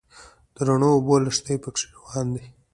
د رڼو اوبو لښتي په کې روان دي.